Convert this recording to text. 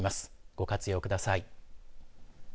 ご活用ください。